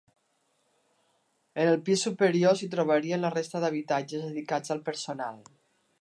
En el pis superior s'hi trobarien la resta d'habitatges dedicats al personal.